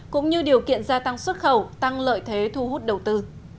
cũng như điều kiện gia tăng xuất khẩu tăng lợi thế thu hút đầu tư